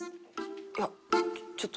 いやちょっと。